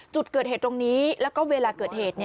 จุดเกิดเหตุตรงนี้แล้วก็เวลาเกิดเหตุ